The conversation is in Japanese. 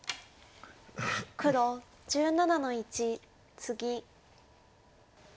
黒１７の一ツギ。